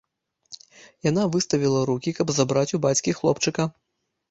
Яна выставіла рукі, каб забраць у бацькі хлопчыка.